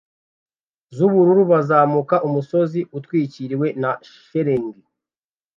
z'ubururu bazamuka umusozi utwikiriwe na shelegi